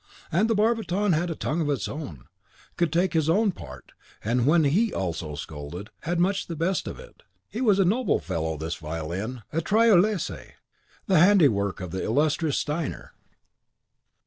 And the barbiton had a tongue of his own, could take his own part, and when HE also scolded, had much the best of it. He was a noble fellow, this Violin! a Tyrolese, the handiwork of the illustrious Steiner.